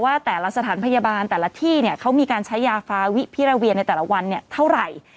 แต่ละสถานพยาบาลแต่ละที่เขามีการใช้ยาฟาวิพิราเวียในแต่ละวันเท่าไหร่